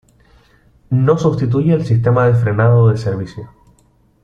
No sustituye el sistema de frenado de servicio.